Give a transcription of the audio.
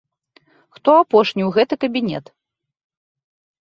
Хто апошні ў гэты кабінет?